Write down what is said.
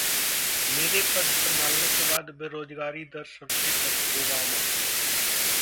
मेरे पद संभालने के बाद बेरोजगारी दर सबसे कम: ओबामा